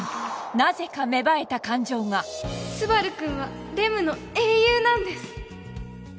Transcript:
なぜか芽生えた感情がスバル君はレムの英雄なんです